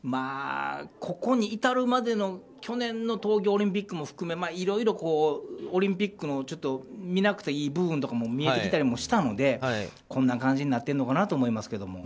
ここに至るまでの去年の東京オリンピックも含めいろいろオリンピックの見なくていい部分とかも見えてきたりもしたのでこんな感じになってるのかなと思いますけど。